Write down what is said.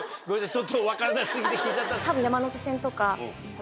ちょっと分からな過ぎて聞いちゃった。